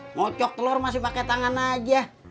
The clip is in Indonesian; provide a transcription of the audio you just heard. mocok telur masih pake tangan aja